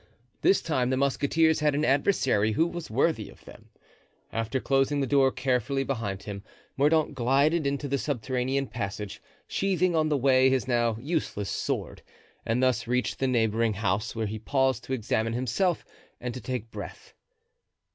This time the musketeers had an adversary who was worthy of them. After closing the door carefully behind him Mordaunt glided into the subterranean passage, sheathing on the way his now useless sword, and thus reached the neighboring house, where he paused to examine himself and to take breath.